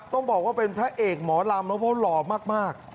ต้องบอกว่าเป็นพระเอกหมอลำแล้วเพราะหล่อมาก